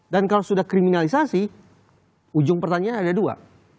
dan kalau sudah kriminalisasi ujung pertanyaan ada dua